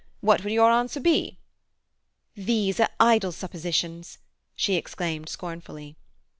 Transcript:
What would your answer be?" "These are idle suppositions," she exclaimed scornfully.